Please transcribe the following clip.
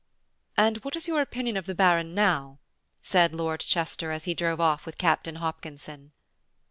"And what is your opinion of the Baron now?" said Lord Chester as he drove off with Captain Hopkinson.